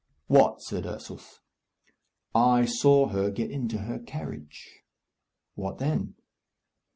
"What?" said Ursus. "I saw her get into her carriage." "What then?"